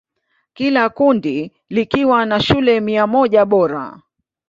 Kila kundi likiwa na shule mia moja bora.